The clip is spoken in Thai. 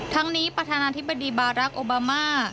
ทั้งนี้ประธานาธิบดีบารักษ์โอบามา